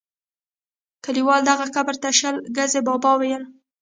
کلیوالو دغه قبر ته شل ګزی بابا ویل.